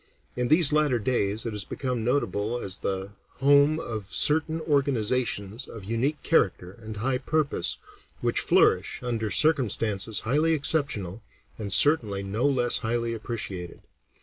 In these latter days it has become notable as the home of certain organizations of unique character and high purpose, which flourish under circumstances highly exceptional, and certainly no less highly appreciated.